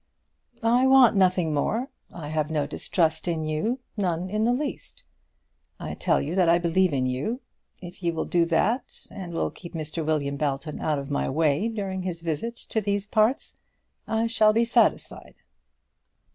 "I want nothing more. I have no distrust in you, none in the least. I tell you that I believe in you. If you will do that, and will keep Mr. William Belton out of my way during his visit to these parts, I shall be satisfied."